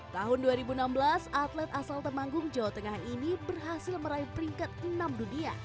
tahun dua ribu enam belas atlet asal temanggung jawa tengah ini berhasil meraih peringkat enam dunia